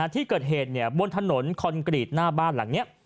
ที่เกิดเหตุบนถนนคอนกรีตหน้าบ้านหลังนี้